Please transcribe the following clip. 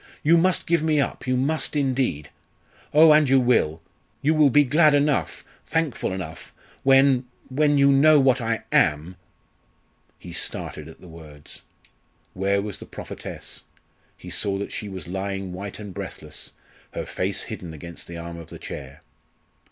You must give me up you must indeed. Oh! and you will! You will be glad enough, thankful enough, when when you know what I am!" He started at the words. Where was the prophetess? He saw that she was lying white and breathless, her face hidden against the arm of the chair.